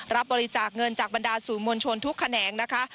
รับบริจาคเงินจากบรรดาสู่มวลชนทุกแขนงนะคะ